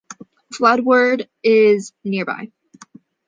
Floodwood is nearby.